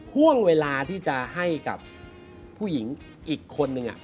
ห่วงเวลาที่จะให้กับผู้หญิงอีกคนนึง